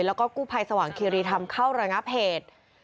แล้วก็กู้ภัยสว่างคีรีธรรมเข้าระงับเหตุ